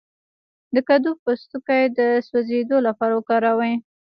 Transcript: د کدو پوستکی د سوځیدو لپاره وکاروئ